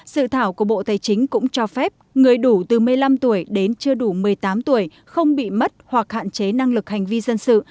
sự thảo của bộ tài chính cũng cho phép người đủ từ một mươi năm tuổi đến chưa đủ một mươi tám tuổi không bị mất hoặc hạn chế năng lực hành vi dân sự